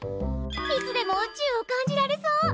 いつでも宇宙を感じられそう！